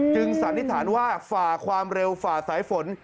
สันนิษฐานว่าฝ่าความเร็วฝ่าสายฝน